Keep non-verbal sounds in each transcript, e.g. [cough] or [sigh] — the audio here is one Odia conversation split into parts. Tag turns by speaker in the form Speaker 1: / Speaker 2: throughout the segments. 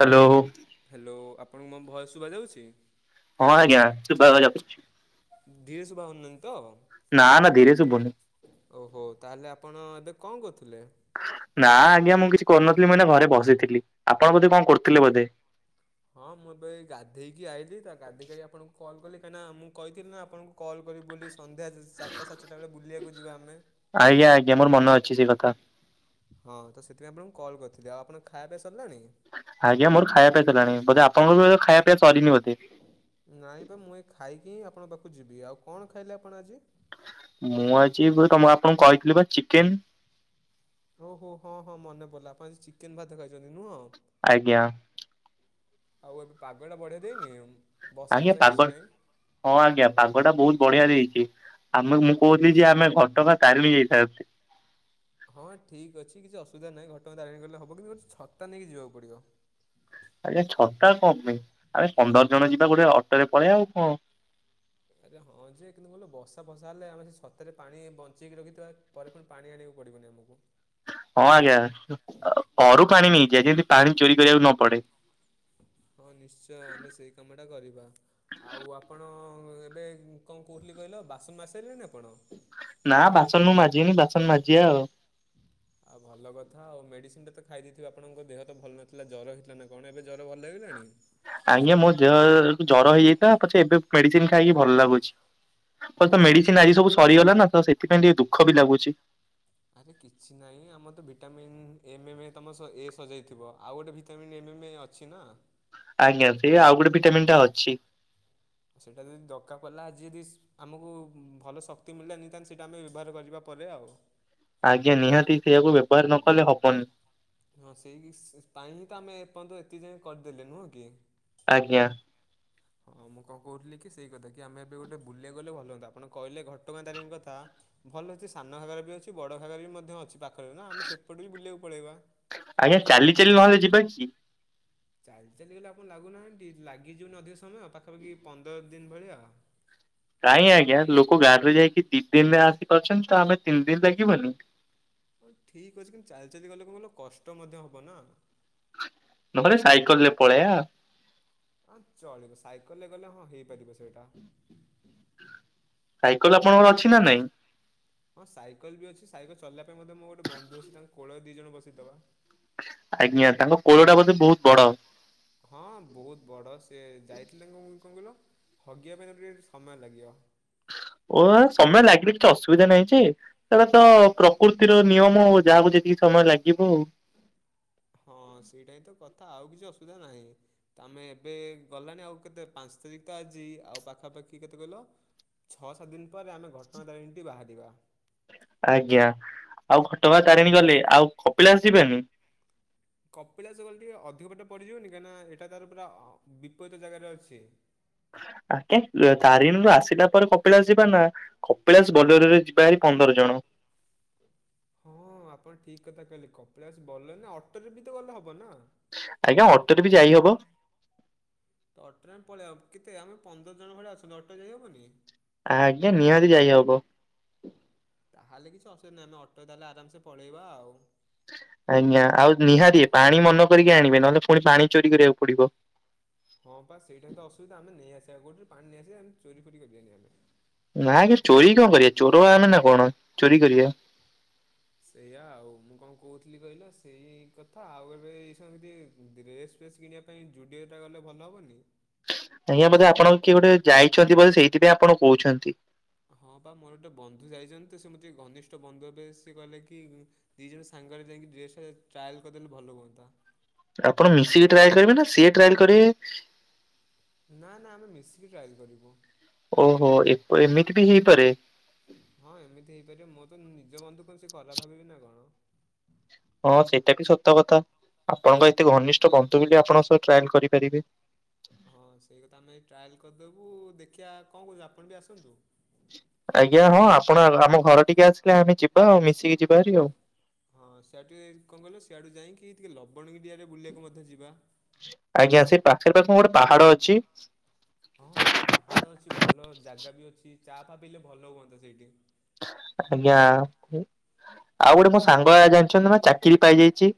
Speaker 1: ହ୍ୟାଲୋ।
Speaker 2: ହ୍ୟାଲୋ ଆପଣଙ୍କୁ ମୋ ଭୟସ ଶୁଭ ଯାଉଚି?
Speaker 1: ହଁ ଆଜ୍ଞା ସୁନା ଯାଉଚି।
Speaker 2: ଧିରେ ଶୁଭ ହେନନ୍ତି ତ
Speaker 1: ନା ନା ଧୀରେ ସୁୁବୁନି।
Speaker 2: ଓ ହୋ ତାହେଲେ ଆପଣ ଏବେ କଣ କରୁଥିଲେ?
Speaker 1: ନା ଆଜ୍ଞା ମୁଁ କିଛି କରିନଥିଲି ମୁଁ ନା ଘରେ ବସିଥିଲି, ଆପଣ ବୋଧେ କଣ କରୁଥିଲେ ବୋଧେ?
Speaker 2: ହଁ ମୁଁ ଏବେ ଗାଧେଇକି ଆଇଲି ତା ଗାଧେଇକାଇକି ଆପଣଙ୍କୁ କଲ୍ କଲି କାହିଁକି ମୁଁ କହିଥିଲି ଆପଣଙ୍କୁ କଲ୍ କରିବି ବୋଲି ସନ୍ଧ୍ୟା ସାତଟା ଚାରିଟା ବେଳେ ବୁଲିବାକୁ ଯିବା ଆମେ?
Speaker 1: ଆଜ୍ଞା ଆଜ୍ଞା ମୋର ମନେ ଅଛି ସେଇ କଥା।
Speaker 2: ହଁ ତ ସେଥିପାଇଁ ଆପଣ ମୁଁ କଲ୍ କରିଥିଲି ଆଉ ଆପଣ ଖାଇବା ପିଇବା ସରିଲାଣି?
Speaker 1: ଆଜ୍ଞା ମୋର ଖାଇବା ପିବା ଚାଲାଣି ବୋଧେ ଆପଣଙ୍କୁ ବି ଖାଇବା ପିବା ସରିନି ବୋଧେ?
Speaker 2: ନାଇଁ ବା ମୁଁ ଏ ଖାଇକି ଆପଣଙ୍କ ପାଖକୁ ଯିବି ଆଉ କଣ ଖାଇଲେ ଆପଣ ଆଜି?
Speaker 1: ମୁଁ ଆଜି ବୋଧ୍ ତମ ଆପଣଙ୍କୁ କହିଥିଲି ପା ଚିକେନ
Speaker 2: ଓହୋ ହଁ ହଁ ମନେ ପଡ଼ିଲା ଆପଣ ଆଜି ଚିକେନ ଭାତ ଖାଇଛନ୍ତି ନୁହଁ।
Speaker 1: ଆଜ୍ଞା।
Speaker 2: ଆଉ ଏବେ ପାଗଟା ବଢ଼ିଆ ଦେଇନି? ବର୍ଷା
Speaker 1: ଆଜ୍ଞା
Speaker 2: ଫର୍ଷା କିଛି
Speaker 1: ପାଗ
Speaker 2: ନାହିଁ।
Speaker 1: ହଁ ଆଜ୍ଞା ପାଗ ଟା ବହୁତ ବଢିଆ ଦେଇଛି। ଆମେ ମୁଁ କହୁଥିଲି ଯେ ଆମେ ଘଟଗାଁ ତାରିଣୀ ଯାଇଥାନ୍ତେ।
Speaker 2: ହଁ ଠିକ୍ ଅଛି କିଛି ଅସୁବିଧା ନାହି ଘଟଗାଁ ତାରିଣୀ ଗଲେ ହବ। କିନ୍ତୁ ଗୋଟେ ଛତା ନେଇକି ଯିବାକୁ ପଡ଼ିବ।
Speaker 1: ଆଜ୍ଞା ଛତା କଣ ପାଇଁ ଆମେ ପନ୍ଦର ଜଣ ଯିବା ଗୋଟେ ଅଟୋରେ ପଳେଇବା ଆଉ କଣ
Speaker 2: ଆରେ ହଁ ଯେ କିନ୍ତୁ କହିଲ ବର୍ଷା ଫର୍ସା ହେଲେ ଆମେ ସେ ଛତାରେ ପାଣି ବଞ୍ଚେଇକି ରଖିଥିବା ପରେ ପୁଣି ପାଣି ଆଣିବାକୁ ପଡିବନି ଆମକୁ।
Speaker 1: ହଁ ଆଜ୍ଞା ଘରୁ ପାଣି ନେଇଜିଆ ଯେମିତି ପାଣି ଚୋରି କରିବାକୁ ନ ପଡେ।
Speaker 2: ହଁ ନିଶ୍ଚୟ ଆମେ ସେଇ କାମ ଟା କରିବା। ଆଉ ଆପଣ ଏବେ କଣ କହୁଥିଲି କହିଲ ବାସନ ମାଜି ସାରିଲେଣି ଆପଣ?
Speaker 1: ନା ବାସନ ମୁଁ ମାଜିବିନି ବାସନ ମାଜିବା ଆଉ।
Speaker 2: ଆଉ ଭଲ କଥା ଆଉ ମେଡିସିନ ଟା ତ ଖାଇ ଦେଇଥିବ ଆପଣଙ୍କ ଦେହ ତ ଭଲ ନଥିଲା ଜର ହେଇଥିଲା ନା କଣ ଏବେ ଜର ଭଲ ହେଇଗଲାଣି?
Speaker 1: ଆଜ୍ଞା ମୋ ଦେହ ଜର ହେଇଯାଇଥିଲା ପଛେ ଏବେ ମେଡିସିନ ଖାଇକି ଭଲ ଲାଗୁଛି।
Speaker 2: ହଁ
Speaker 1: ତ
Speaker 2: ଆପଣ ସେ
Speaker 1: ମେଡିସିନ
Speaker 2: ଭି
Speaker 1: ଆଜି ସବୁ ସରିଗଲା ନା ତ ସେଥିପାଇଁ ଟିକେ ଦୁଃଖ ବି ଲାଗୁଛି
Speaker 2: ଆରେ କିଛି ନାହିଁ ଆମର ତ ଭିଟାମିନ୍ ଏମ ଏମ୍ ଏ ତମ ଏ ସଜାଇଥିବ ଆଉ ଗୋଟେ ଭିଟାମିନ୍ ଏମ ଏମ୍ ଏ ଅ ଅଛି ନା
Speaker 1: ଆଜ୍ଞା ସେ ଆଉ ଗୋଟେ ଭିଟାମିନ୍ ଟା ଅଛି।
Speaker 2: ଆ ସେଇଟା ଯଦି ଦରକାର ପଡିଲା ଆଜି ଯଦି ଆମକୁ ଭଲ ଶକ୍ତି ମିଳିଲା ନିହାତି ଆମେ ସେଇଟା ଆମେ ବ୍ୟବହାର କରିବା ପରେ ଆଉ
Speaker 1: ଆଜ୍ଞା ନିହାତି ସେଇଆକୁ ବ୍ୟବହାର ନ କଲେ ହବନି।
Speaker 2: ହଁ ସେଇ ପାଇଁ ହିଁ ତ ଆମେ ଏପର୍ଯ୍ୟନ୍ତ ଏତିକି ଯାଏ କରିଦେଲେ ନୁହଁ କି?
Speaker 1: ଆଜ୍ଞା।
Speaker 2: ହଁ ମୁଁ କଣ କହୁଥିଲି କି ସେଇ କଥା କି ଆମେ ଏବେ ଗୋଟେ ବୁଲିବାକୁଗଲେ ଭଲ ହୁଆନ୍ତା ଆପଣ କହିଲେ ଘଟଗାଁ ତାରିଣୀ କଥା ଭଲ ଅଛି ସାନ ଘାଗାରା ବି ଅଛି ବଡ ଘାଗାରା ବି ମଧ୍ୟ ଅଛି ପାଖରେ ନା ଆମେ ସେପଟେ ବି ବୁଲିବାକୁ ପଳେଇବା।
Speaker 1: ଆଜ୍ଞା ଚାଲି ଚାଲି ନହେଲେ ଯିବା କି?
Speaker 2: ଚାଲି ଚାଲିଗଲେ ଆପଣ ଲାଗୁନାହାନ୍ତି ଲାଗିଯିବନି ଅଧିକ ସମୟ ଆଉ ପାଖାପାଖି ପନ୍ଦର ଦିନ ଭଳିଆ?
Speaker 1: କାଇହିଁ ଆଜ୍ଞା ଲୋକ ଗାଁ ରେ ଯାଇକି ଦି ଦିନରେ ଆସି ପାରୁଛନ୍ତି ତ ଆମେ ତିନି ଦିନ ଲାଗିବନି
Speaker 2: ହଉ ଠିକ ଅଛି କିନ୍ତୁ ଚାଲି ଚାଲି ଗଲେ କଣ କହିଲ କଷ୍ଟ ମଧ୍ୟ ହବ ନା
Speaker 1: ନହେଲେ ସାଇକେଲ ରେ ପଳେଇଆ
Speaker 2: ହଁ ଚଳିବ ସାଇକେଲରେ ଗଲେ ହଁ ହେଇପାରିବ ସେଇଟା।
Speaker 1: ସାଇକେଲ ଆପଣଙ୍କର ଅଛି ନା ନାଇଁ?
Speaker 2: ହଁ ସାଇକେଲ ବି ଅଛି ସାଇକେଲ ଚଲେଇବା ପାଇଁ ମୋ ଗୋଟେ ବନ୍ଧୁ ଅଛି ତାଙ୍କ କୋଳରେ ଦିଇ ଜଣ ବସେଇଦବା।
Speaker 1: ଆଜ୍ଞା ତାଙ୍କ କୋଳଟା ବୋଧେ ବହୁତ ବଡ?
Speaker 2: ହଁ ବହୁତ ବଡ ସେ ଯାଇଥିଲେ କଣ କହିଲ? ହଗିବା ପାଇଁ ତତେ ଟିକେ ସମୟ ଲାଗିବ।
Speaker 1: ଓ ସମୟ ଲାଗିଲେ କିଛି ଅସୁବିଧା ନାହିଁ ଯେ ସେଟା ତ ପ୍ରକୃତି ଷ୍ଟି ର ଫନିୟମ ହଉ ଯାହାକୁ ଯେତିକି ସମୟ ଲାଗିବ ଆଉ।
Speaker 2: ହଁ ସେଇଟାବି ତ କଥା ଆଉ କିଛି ଅସୁବିଧା ନାହିଁ। ତ ଆମେ ଏବେ ଗଲାଣି ଆଉ କେତେ ପାଞ୍ଚ ତାରିଖ ତ ଆଜି ଆଉ ପାଖାପାଖି କେତେ କହିଲ ଛଅ ସାତ ଦିନ ପରେ ଆମେ ଘଟଗାଁ ତାରିଣୀଟି ବାହାରିବା।
Speaker 1: ଆଜ୍ଞା ଆଉ ଘଟଗାଁ ତାରିଣୀ ଗଲେ ଆଉ କପିଳାସ ଯିବେନି?
Speaker 2: କପିଳାସ ଗଲେ ଟିକେ ଅଧିକ ବାଟ ପଡ଼ିିଯିବନି କାହିଁକିନା ଏଟା ତାର ପୁରା ବିପରୀତ ଜାଗାରେ ଅଛି।
Speaker 1: ଆଜ୍ଞା ତାରିଣରୁ ଆସିଲା ପରେ କପିଳାସ ଯିବା ନା କପିଳାଶ ବୋଲରରେ ଯିବା ହାରି ପନ୍ଦର ଜଣ।
Speaker 2: ହଁ ଆପଣ ଠିକ କଥା କହିଲେ କପିଳାସ ଭଲ ନା ଅଟୋରେ ବି ତ ଗଲେ ହବ ନା।
Speaker 1: ଆଜ୍ଞା ଅଟୋରେ ବି ଯାଇ ହବ।
Speaker 2: ଅଟୋରେ ପଳେଇବ କେତେ ଆମେ ପନ୍ଦର ଜଣ ଭଳିଆ ଅଛନ୍ତି ଅଟୋରେ ଯାଇହବନି।
Speaker 1: ଆଜ୍ଞା ନିହାତି ଯାଇ ହବ।
Speaker 2: ତାହେଲେ କିଛି ଅସୁବିଧା ନାହିଁ ଆମେ ଅଟୋ ରେ ତାହେଲେ ଆରାମସେ ପଳେଇବା ଆଉ।
Speaker 1: ଆଜ୍ଞା ଆଉ ନିହାତି ପାଣି ମନ କରିକି ଆଣିବେ ନହେଲେ ପୁଣି ପାଣି ଚୋରି କରିବାକୁ ପଡିବ।
Speaker 2: ହଁ ପା ସେଇଟା ତ ଅସୁବିଧା ଆମେ ନେଇ ଆସିବା କୋଉଠ ଗୋଟେ ପାଣି ନେଇଆସିବା ଆମେ ଚୋରି ଫୋରି କରିିବାନି ଆମେ।
Speaker 1: ନା ମ ଚୋରି କଣ କରିବା ଚୋର ଆମେ ନା କଣ ଚୋରି କରିବା।
Speaker 2: ସେଇଆା ଆଉ ମୁଁ କଣ କହୁଥିଲି କହିଲ ସେଇ କଥା ଆଉ ଏବେ ଏଇ ସବୁ ଏଇ ଏମିତି ଡ୍ରେଶ୍ ଡ୍ରେସ୍ କିଣିବା ପାଇଁ ଜୁଡ଼ିଓଟା ଗଲେ ଭଲ ହବନି।
Speaker 1: ଆଜ୍ଞା ବୋଧେ ଆପଣଙ୍କୁ କିଏ ଗୋଟେ ଯାଇଛନ୍ତି ବୋଧେ ସେଇଥିପାଇଁ ଆପଣଙ୍କୁ କହୁଛନ୍ତି।
Speaker 2: ହଁ ପା ମୋର ଗୋଟେ ବନ୍ଧୁ ଯାଇଛନ୍ତି ତ ସେ ମୋର ତ ଘନିଷ୍ଠ ବନ୍ଧୁ ଏବେ ସିଏ କହିଲ କି ଦିଇ ଜଣ ସାଙ୍ଗରେ ଯାଇକି ଡ୍ରେସ୍ ଟ୍ରାଏଲ୍ କରିଦେଲେ ଭଲ ହୁଅନ୍ତା।
Speaker 1: ଆପଣ ମିଶିକି ଟ୍ରାଏ କରିବେ ନା ସିଏ ଟ୍ରାଏ କରିବେ।
Speaker 2: ନା ନା ଆମେ ମିଶିକି ଟ୍ରାଏଲ୍ କରିବୁ।
Speaker 1: ଓହୋ ଏପ ଏମିତି ବି ହେଇପାରେ।
Speaker 2: ହଁ ଏମିତି ହେଇପାରିବ ମୁଁ ତ ନିଜ ବନ୍ଧୁ [unintelligible] କରସି କଲା ଭାବିବି ନା କଣ।
Speaker 1: ହଁ ସେଇଟା ବି ସତ କଥା ଆପଣଙ୍କ ଏତେ ଘନିଷ୍ଠ ବନ୍ଧୁ ବୋଲି ଆପଣ ସହ ଟ୍ରାଏଲ କରିପାରିବେ।
Speaker 2: ହଁ ସେଇ କଥା ଆମେ ଟ୍ରାଏଲ୍ କରିଦବୁ ଦେଖିଆ କଣ କହୁଛ ଆପଣ ବି ଆସନ୍ତୁ।
Speaker 1: ଆଜ୍ଞା ହଁ ଆପଣ ଆମ ଘର ଟିକି ଆସିଲେ ଆମେ ଯିବା ଆଉ ମିଶିକି ଯିବା ହାରି ଆଉ।
Speaker 2: ହଁ ସେଆଠୁ କଣ କହ ସିଆଡୁ ଯାଇକି ଟିକେ ଲବଣଗିରିଆଡେ ବୁଲିବାକୁ ମଧ୍ୟ ଯିବା।
Speaker 1: ଆଜ୍ଞା ସେ ପାଖରେ ପା କଣ ଗୋଟେ ପାହାଡ ଅଛି।
Speaker 2: ହଁ ଏଠି ଯୋଉ ପାହାଡ ଅଛି ଭଲ ଜାଗା ବି ଅଛି ଚା ଫା ପିଇଲେ ଭଲ ହୁଅନ୍ତା ସେଇଠି।
Speaker 1: ଆଜ୍ଞା ଆଉ ଗୋଟେ ମୋ ସାଙ୍ଗ ଆ ଜାଣିଛନ୍ତି ନା ଚାକିରି ପାଇଯାଇଚି।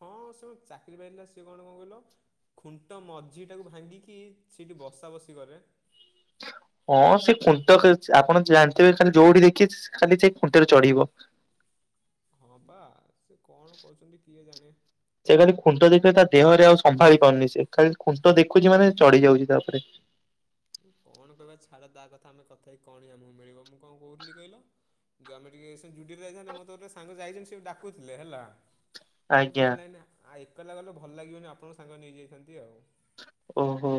Speaker 2: ହଁ ସେ ପା ଚାକିରି ପାଇିଥିଲା ସିଏ କଣ କଣ କହିଲ? ଖୁଣ୍ଟ ମଝିଟାକୁ ଭାଙ୍ଗିକି ସେଇଠି ବସା ବସି କରେ।
Speaker 1: ହଁ ସେ ଖୁଣ୍ଟ ଖ ଚ ଆପଣ ଜାଣଥିବେ ଖାଲି ଯୋଉଠି ଦେଖିବେ ସ୍ ଖାଲି ସେଇ ଖୁଣ୍ଟରେ ଚଢିବ।
Speaker 2: ହଁ ବା ସେ କଣ କହୁଛନ୍ତି କିଏ ଜାଣେ।
Speaker 1: ସେ ଖାଲି ଖୁଣ୍ଟ ଦେଖିଲେ ତା ଦେହରେ ଆଉ ସମ୍ଭାଳି ପାରୁନି ସିଏ ଖାଲି ଖୁଣ୍ଟ ଦେଖୁଛି ମାନେ ଚଢି ଯାଉଛି ତା ଉପରେ।
Speaker 2: ଉ କଣ କହିବା ଛାଡ ତା କଥା ଆମେ କଥା ହେଇ କଣ ବି ଆମୁକୁ ମିଳିବ ମୁଁ କଣ କହୁଥିଲି କହିଲ ଯୋଉ ଆମେ ଟିକେ ସେ ଜୁଡ଼ିଓକୁ ଯାଇଥାନ୍ତେ ମୋର ତ ଗୋଟେ ସାଙ୍ଗ ଯାଇଚନ୍ତି ସିଏ ବି ଡାକୁଥିଲେ ହେଲା। ମୁଁ
Speaker 1: ଆଜ୍ଞା
Speaker 2: କହିଲି ନାଇ ନା ଆ ଏକଲା ଗଲେ ଭଲ ଲାଗିବନି, ଆପଣଙ୍କୁ ସାଙ୍ଗରେ ନେଇଯାଇଥାନ୍ତି ଆଉ।
Speaker 1: ଓହୋ।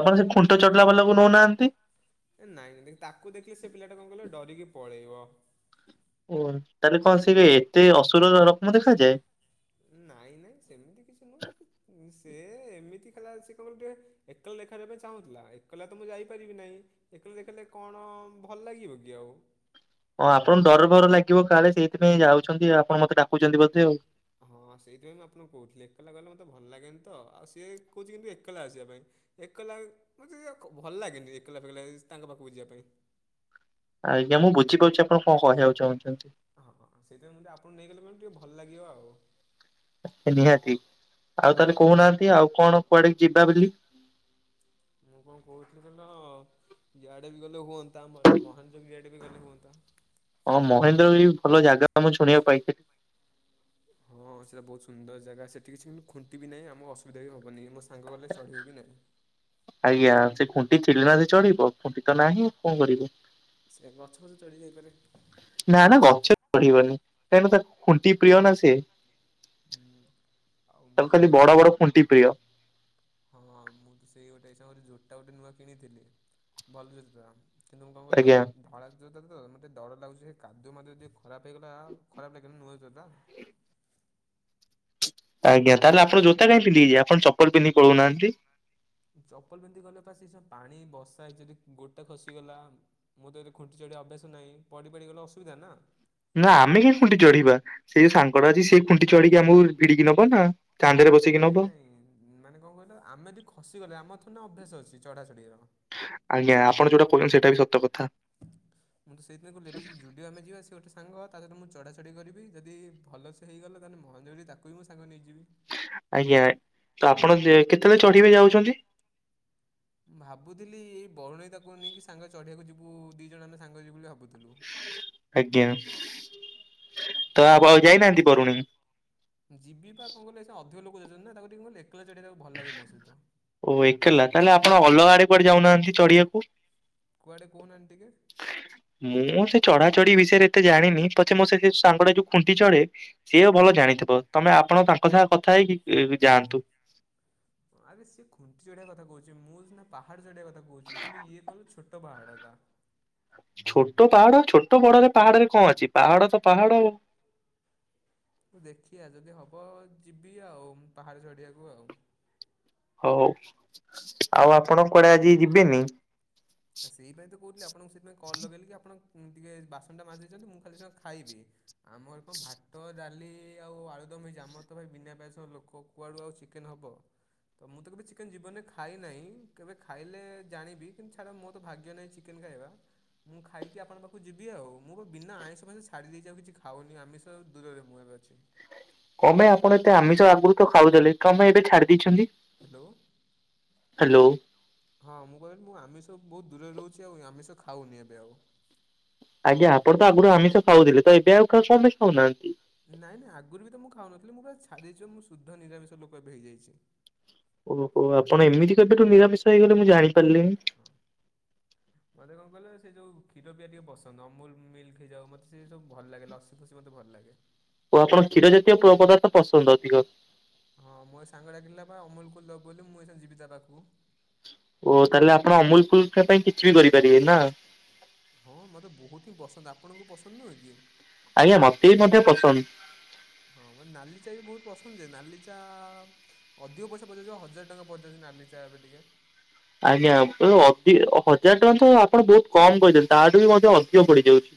Speaker 1: ଆପଣ ସେ ଖୁଣ୍ଟ ଚଢିଲା ବାଲାକୁ ନଉନାହାନ୍ତି।
Speaker 2: ଏ ନାଇଁ ଦେଖ ତାକୁ ଦେଖିଲେ, ସେ ପିଲାଟା କଣ କହିଲ ଡରିକି ପଳେଇବ।
Speaker 1: ଓ ତାହେଲେ କଣ ସେ ଏତେ ଅସୁର [unintelligible] ଦେଖାଯାଏ।
Speaker 2: ନାଇଁ ନାଇଁ ସେମିତି କିଛି ନୁହଁ। ସେ ଏମିତି ଖାଲି ଆସିକି କହିବ ଟିକେ ଏକଲା ଦେଖାକରିବା ପାଇଁ ଚାହୁଁଥିଲା ଏକଲା ତ ମୁଁ ଯାଇପାରିବି ନାହିଁ। ଏକଲା ଦେଖିଲେ କଣ ଭଲ ଲାଗିବ କି ଆଉ।
Speaker 1: ହଁ ଆପଣ ଡର ବର ଲାଗିବ କାଳେ ସେଇଥିପାଇଁ ଯାଉଛନ୍ତି ଆପଣ ମତେ ଡାକୁଚନ୍ତି ବୋଧେ ଆଉ।
Speaker 2: ହଁ ସେଇଥିପାଇଁ ମୁଁ ଆପଣଙ୍କୁ କହୁଥିଲି ଏକଲା ଗଲେ ମୋତେ ଭଲ ଲାଗେନି ତ ଆଉ ସିଏ କହୁଚି କିନ୍ତୁ ଏକଲା ଆସିବା ପାଇଁ। ଏକଲା ମତେ ଟିକେ ଭଲ ଲାଗେନି ଏକଲା ଫକଲା ତାଙ୍କ ପାଖକୁ ଯିବା ପାଇଁ।
Speaker 1: ଆଜ୍ଞା ମୁଁ ବୁଝିପାରୁଛି ଆପଣ କଣ କହିବାକୁ ଚାହୁଁଚନ୍ତି।
Speaker 2: ହଁ ହଁ ସେଥିପାଇଁ ମୁ ଟିକେ ଆପଣନଙ୍କୁ ନେଇଗଲେ ମାନେ ଟିକେ ଭଲ ଲାଗିବ ଆଉ।
Speaker 1: ନିହାତି ଆଉ ତାହେଲେ
Speaker 2: ନିହାତି
Speaker 1: କହୁନାହାନ୍ତି ଆଉ କଣ କୁଆଡେକୁ ଯିବା ବୋଲି।
Speaker 2: ମୁଁ କଣ କହୁଥିଲି କହଲ ଇଆଡେ ବି ଗଲେ ହୁଅନ୍ତା ଆମର ମହାନଯୋଗି ଆଡେ ବି ଗଲେ ହୁଅନ୍ତା।
Speaker 1: ହଁ ମହେନ୍ଦ୍ରଗିରି ଭଲ ଜାଗା ମୁଁ ଶୁଣିଆକୁ ପାଇଥିଲି।
Speaker 2: ହଁ ସେଇଟା ବହୁତ ସୁନ୍ଦର ଜାଗା ସେଠି କିଛି କିନ୍ତୁ ଖୁଣ୍ଟି ବି ନାହିଁ ଆମୁକୁ ଅସୁବିଧା ବି ହବନି ମୋ ସା ସାଙ୍ଗ ଗଲେ ଚଢିବେ ବି ନାହିଁ।
Speaker 1: ଆଜ୍ଞା ସେ ଖୁଣ୍ଟି ଥିଲେ ନା ସିଏ ଚଢିବ ଖୁଣ୍ଟି ତ ନାହିଁ କଣ କରିବୁ।
Speaker 2: ସେ ଗଛ ଫଛ ଚଢି ଯାଇପାରେ।
Speaker 1: ନା ନା ଗଛରେ ଚଢିବନି କାହିଁକି ନା ତା ଖୁଣ୍ଟି ପ୍ରିୟ ନା ସିଏ।
Speaker 2: ହୁଁ। ଆଉ ମୁଁ ତ ଗୋଟେ ସେଇ।
Speaker 1: ଖୁଣ୍ଟି
Speaker 2: [unintelligible]
Speaker 1: ପ୍ରିୟ
Speaker 2: ହଁ ହଁ ମୁଁ ତ ସେଇ ଗୋଟେ ସମୟରେ ଜୋତା ଗୋଟେ ନୂଆ କିଣିଥିଲି। ଭଲ ଜୋତା। କିନ୍ତୁ କଣ ମୁଁ କହିଲ
Speaker 1: ଆଜ୍ଞା।
Speaker 2: ଧଳା ଜୋତା ଟା ତ, ମତେ ଡର ଲାଗୁଛି ସେ କାଦୁଅ ମାଦୁଅ ଯଦି ଖରାପ ହେଇଗଲା, ଖରାପ ଲାଗିବ ନା ନୂଆ ଜୋତା ଟା।
Speaker 1: ଆଜ୍ଞା। ତାହେଲେ ଆପଣ ଜୋତା କାହିଁକି ପନ୍ଧିକି ଯିବେ? ଆପଣ ଚପଲ ପିନ୍ଧିକି ପଳଉନାହାନ୍ତି।
Speaker 2: ଚପଲ ପିନ୍ଧିକିି ଗଲେ ପା ସେ ସ ପାଣି ବର୍ଷା ହେଇଚି ଯଦି ଗୋଡ ଟା ଖସିଗଲା। ମୁଁ ତ ଏତେ ଖୁଣ୍ଟିି ଚଢିବା ଅଭ୍ୟାସ ନାହିଁ, ପଡି ପାଡି ଗଲେ ଅସୁବିଧା ନା।
Speaker 1: ନା ଆମେ କାହିଁକି ଖୁଣ୍ଟି ଚଢିବା, ସେଇ ସାଙ୍ଗଟା ଅଛି, ସେ ଖୁଣ୍ଟି ଚଢିକି ଆମକୁ ଭିଡିକି ନବ ନା। କାନ୍ଧରେ ବସେଇକି
Speaker 2: ନାଇଁ
Speaker 1: ନବ
Speaker 2: ନାଇଁ ମାନେ କଣ କହିଲ, ଆମେ ଯଦି ଖସିଗଲେ, ଆମ ଥୋଡ଼ି ନା ଅଭ୍ୟାସ ଅଛି ଚଢାଚଢିର।
Speaker 1: ଆଜ୍ଞା। ଆପଣ ଯୋଉଟା କହୁଛନ୍ତି ସେଇଟା ବି ସତ କଥା।
Speaker 2: ମୁଁ ତ ସେଇଥିପାଇଁ [unintelligible] ଯଦି ଆମେ ଯିବା, ସେ ଗୋଟ ସାଙ୍ଗ ତା ସହିତ ମୁଁ ଚଢା ଚଢ଼ି କରିବି। ଯଦି ଭଲସେ ହେଇଗଲା, ତାହେଲେ ମହେନ୍ଦ୍ରଗିରି ତାକୁ ବି ମୁଁ ସାଙ୍ଗରେ ନେଇଯିବି।
Speaker 1: ଆଜ୍ଞା। ତ ଆପଣ କେତେବେଳେ ଚଢିବେ ଯାଉଛନ୍ତି?
Speaker 2: ଭାବୁଥିଲି ଏଇ ବରୁଣେଇ ତାକୁ ନେଇକି ସାଙ୍ଗରେ ଚଢ଼ିବାକୁ ଯିବୁ, ଦି ଜଣ ଆମେ ସାଙ୍ଗରେ ଯିବୁ ବୋଲି ଭାବୁଥିଲୁ।
Speaker 1: ଆଜ୍ଞା। ତ
Speaker 2: କିନ୍ତୁ କଣ
Speaker 1: ଆପଣ ଆଉ
Speaker 2: କହିଲ
Speaker 1: ଯାଇନାହାନ୍ତି ବରୁଣେଇ?
Speaker 2: ଯିବି ପା କଣ କହିଲେ, ସେ ଅଧିକ ଲୋକ ଯାଉଛନ୍ତି ନା, ତାକୁ ଟିକେ ମୁଁ ଏ ଏକେଲା ଚଢ଼ିବାକୁ ତାକୁ ଭ
Speaker 1: ଓ ଏକଲା, ତାହେଲେ ଆପଣ ଅଲଗା ଆଡେ କୁଆଡେ ଯାଉନାହାନ୍ତି ଚଢିବାକୁ।
Speaker 2: କୁଆଡେ କହୁନାହାନ୍ତି ଟିକେ।
Speaker 1: ମୁଁ ସେ ଚଢା ଚଢି ବିଷୟରେ ଏତେ ଜାଣିନି, ପଛେ ମୋ ସେ ଯୋଉ ସାଙ୍ଗଟା ଯୋଉ ଖୁଣ୍ଟି ଚଢେ ଯିଏ ଭଲ ଜାଣିଥିବ, ତମେ ଆପଣ ତାଙ୍କ ସାଙ୍ଗେ କଥା ହେଇକି ଯାଆନ୍ତୁ।
Speaker 2: ହଁ ଆରେ ସିଏ ଖୁଣ୍ଟି ଚଢିବା କଥା କହୁଚି। ମୁଁ ସିନା ପାହାଡ ଚଢିବା କଥା କହୁଚି। କିନ୍ତୁ ଇଏ କଣ ଛୋ। [unintelligible]
Speaker 1: ଛୋଟ ପାହାଡ, ଛୋଟ ବଡରେ ପାହାଡରେ କଣ ଅଛି, ପାହାଡ ତ ପାହାଡ ଆଉ।
Speaker 2: ଦେଖିଆ ଯଦି ହବ ଯିବି ଆଉ, ମୁଁ ପାହାଡ ଚଢିବାକୁ ଆଉ।
Speaker 1: ହଉ ହଉ ଆଉ ଆପଣ କୁଆଡେ ଆଜି ଯିବେନି।
Speaker 2: ସେଇପାଇ ତ କହୁଥିଲି ଆପଣଙ୍କୁ ସେଥିାଇଁ କଲ୍ ଲଗେଇଲି କି ଆପଣ ଟିକେ ବାସନ ଟା ମାଜିି ଦେଇଚନ୍ତି ମୁଁ ଖାଲି ସଙ୍ଗେ ଖାଇବି। ଆମର କଣ ଭାଟ ଡାଲି ଆଉ ଆଳୁଦମ୍ ହେଇଚି ଆମର ତ ଭାଇ ବିନା ପିଆଜରସ ଲୋକ କୁଆଡ଼ୁ ଆଉ ଚିକେନ୍ ହବ। ତ ମୁଁ ତ କେବେ ଚିକେନ ଜୀବନରେ ଖାଇ ନାହିଁ କେବେ ଖାଇଲେ ଜାଣିବି କିନ୍ତୁ ଛାଡ ମୋ ତ ଭାଗ୍ୟ ନାହିଁ ଚିକେନ ଖାଇବା ମୁଁ ଖାଇକି ଆପଣଙ୍କ ପାଖକୁ ଯିବି ଆଉ ମୁଁ ପା ବିନା ଆଇଁଷ ଫାଇଁସ ଛାଡ଼ି ଦେଇଛି ଆଉ କିଛି ଖାଉନି ଆମିଷ ଦୂରରେ ମୁଁ ଏବେ ଅଛି।
Speaker 1: କଣ ପାଇଁ ଆପଣ ଏତେ ଆମିଷ ଆଗରୁ ତ ଖାଉଥିଲେ, କଣ ପାଇଁ ଏବେ ଛାଡି ଦେଇଛନ୍ତି?
Speaker 2: ହ୍ୟାଲୋ।
Speaker 1: ହ୍ୟାଲୋ
Speaker 2: ହଁ ମୁଁ କହିଲି ମୁଁ ଆମିଷ ବହୁତ ଦୂରରେ ରହୁଛି, ଆଉ ଆମିଷ ଖାଉନି ଏବେ ଆଉ।
Speaker 1: ଆଜ୍ଞା ଆପଣ ତ ଆଗରୁ ଆମିଷ ଖାଉଥିଲେ, ତ ଏବେ ଆଉ କଣ ପାଇଁ ଖାଉନାହାନ୍ତି?
Speaker 2: ନାଇଁ ନାଇଁ ଆଗରୁ ବି ତ ମୁଁ ଖାଉନଥିଲି। ମୁଁ ପୁରା ଛାଡ଼ିଦେଇଛି ପା। ମୁଁ ଶୁଦ୍ଧ ନିରାମିଷ ଲୋକ ଏବେ ହେଇଯାଇଚି।
Speaker 1: ଓହୋ। ଆପଣ ଏମିତି କେବେଠୁ ନିରାମିଷ ହେଇଗଲେ ମୁଁ ଜାଣିପାରିଲିିନି?
Speaker 2: [inaudible] ମତେ କଣ କହିଲେ, ସେ ଯୋଉ କ୍ଷୀର ପିଆ ଟିକେ ପସନ୍ଦ। ଅମୁଲ ମିଲ୍କ ହେଇଯାଉ, ମତେ ସେ ସବୁ ଭଲ ଲାଗେ। ଲସ [unintelligible] ମୋତେ ଭଲ ଲାଗେ।
Speaker 1: ଓ ଆପଣ କ୍ଷୀର ଜାତୀୟ ପ ପଦାର୍ଥ ପସନ୍ଦ ଅଧିକ।
Speaker 2: ହଁ ମୋ ସାଙ୍ଗ ଡ଼ାକିିଲା ବା ଅମୁଲ କୁଲ ଦବ ବୋଲି ମୁଁ ଏସିନା ଯିବି ତା ପାଖକୁ।
Speaker 1: ଓହୋ ତାହେଲେ ଆପଣ ଅମୁଲ କୁଲ ପିବା ପାଇଁ କିଛି ବି କରିପାରିବେ ନା।
Speaker 2: ହଁ ମତେ ବହୁତି ହିଁ ପସନ୍ଦ ଆପଣଙ୍କୁ ପସନ୍ଦ ନୁହେଁ କି?
Speaker 1: ଆଜ୍ଞା ମତେ ବି ମଧ୍ୟ ପସନ୍ଦ।
Speaker 2: ହଁ ମତେ ନାଲି ଚା ବି ବୋହୁତ ପସନ୍ଦ ଯେ ନାଲି ଚା ଅଧିକ ପଇସା ପଯାଉଛି ହଜାର ଟଙ୍କା ପଦଯାଉଛି ପା ନାଲି ଚା ଏବେ ଟିକେ।
Speaker 1: ଆଜ୍ଞା ଅ ଅଦି ହଜାର ଟଙ୍କା ତ ଆପଣ ବହୁତ କମ କହିଦେଲେ ତାହାଠୁ ବି ମଧ୍ୟ ଅଧିକ ପଡିଯାଉଛି।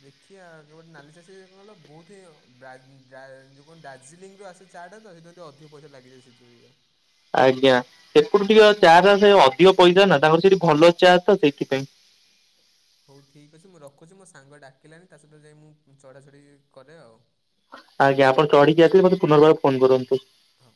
Speaker 2: ଦେଖିବା କେବେ ନାଲି ଚାଷୀ କ ବହୁତ ଯଉ କଣ ଦାର୍ଜିଲିଂ ରୁ ଆସେ ଚା ଟା ତ ସେ ଅଧିକ ପଇସା ଲାଗିଯାଉଛି ସେଥିରେ।
Speaker 1: ଆଜ୍ଞା ସେପଟୁ ଟିକେ ଚା ଟା ସେ ଅଧିକ ପଇସା ନା ତାଙ୍କର ସେଇଠି ଭଲ ଚା ତ ସେଇଥିପାଇଁ।
Speaker 2: ହଉ ଠିକ୍ ଅଛି ମୁଁ ରଖୁଛି ମୋ ସାଙ୍ଗ ଡାକିଲାଣି ତା ସହିତ ଯାଇ ମୁଁ ଚଢ଼ାଚ଼ଢି କରେ ଆଉ।
Speaker 1: ଆଜ୍ଞା ଆପଣ ଚଢିକି ଆସିକି ମୋତେ ପୁନର୍ବାର ଫୋନ କରନ୍ତୁ।
Speaker 2: ହଉ।